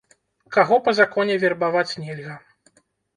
Каго па законе вербаваць нельга?